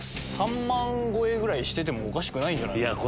３万超えぐらいしててもおかしくないんじゃないかな。